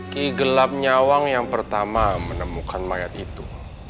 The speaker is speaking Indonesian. kigelap nyawang yang pertama menemukan mayat itu